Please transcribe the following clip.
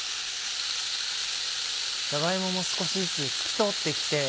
じゃが芋も少しずつ透き通ってきて。